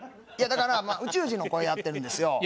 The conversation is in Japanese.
いやだからまあ宇宙人の声やってるんですよ。